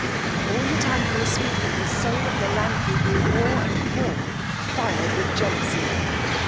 All the time he was speaking, the soul of Melanthe grew more and more fired with jealousy.